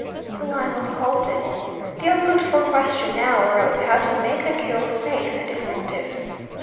The line was halted. The unlooked for question now arose how to make the kill safe and effective.